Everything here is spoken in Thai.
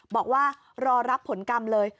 บอกว่ารอรับผลกรรมเลย